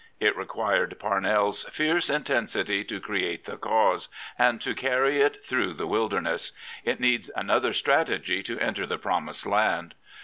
It required Parnell's fierce intensity to create the cause, and to carry it through the wilderness; it needs another str^gy to enter the promised land.